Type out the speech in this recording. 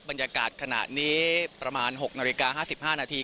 บรรยากาศขณะนี้ประมาณ๖นาฬิกา๕๕นาที